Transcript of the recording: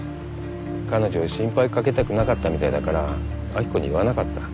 彼女心配掛けたくなかったみたいだから明子に言わなかった。